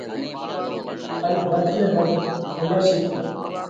ان وڌ ۾ وڌ هُنر شِيکاڙون۔